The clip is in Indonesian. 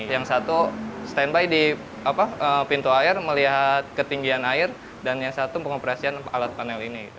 yang satu standby di pintu air melihat ketinggian air dan yang satu pengoperasian alat panel ini